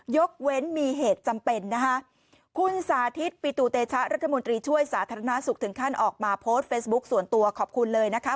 ยกเว้นมีเหตุจำเป็นนะคะคุณสาธิตปิตุเตชะรัฐมนตรีช่วยสาธารณสุขถึงขั้นออกมาโพสต์เฟซบุ๊คส่วนตัวขอบคุณเลยนะคะ